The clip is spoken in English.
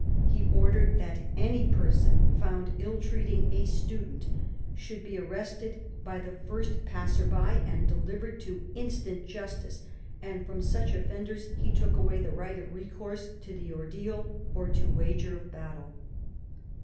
He ordered that any person found ill treating a student should be arrested by the first passer by and delivered to instant justice, and from such offenders he took away the right of recourse to the ordeal or to wager of battle.